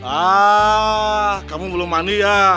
ah kamu belum mandi ya